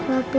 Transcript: ama anjus ya